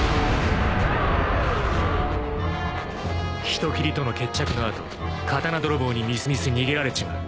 ［人斬りとの決着の後刀泥棒にみすみす逃げられちまう］